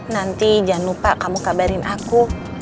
nanti jangan lupa kamu kabarin aku